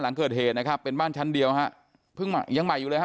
หลังเกิดเหตุนะครับเป็นบ้านชั้นเดียวฮะยังใหม่อยู่แล้วฮะ